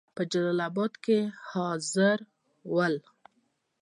په جلال آباد کې حاضر ول.